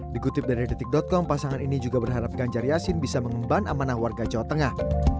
dikutip dari detik com pasangan ini juga berharap ganjar yasin bisa mengemban amanah warga jawa tengah